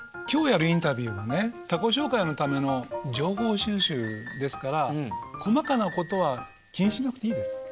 今日やるインタビューはね他己紹介のための情報収集ですから細かなことは気にしなくていいです。